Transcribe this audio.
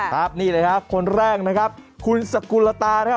ครับนี่เลยครับคนแรกนะครับคุณสกุลตานะครับ